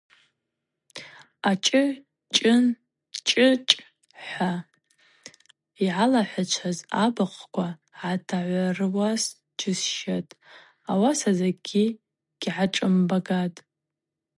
Ачӏы-чӏы-чӏычӏ – хӏва йгӏалахӏвачваз абыхъвква гӏатагӏвыруашдзысщатӏ, ауаса закӏгьи гьгӏашӏымбгатӏ.